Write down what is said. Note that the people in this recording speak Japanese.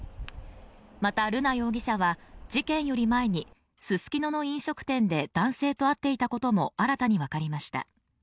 また瑠奈容疑者は事件より前にススキノの飲食店で男性と会っていたことも新たに分かりました